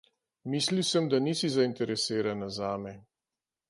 Mislil sem, da nisi zainteresirana zame.